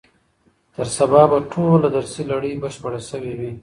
تر سبا به ټوله درسي لړۍ بشپړه سوې وي.